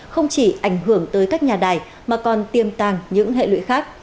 không chỉ ảnh hưởng tới các nhà đài mà còn tiêm tàng những hệ lụy khác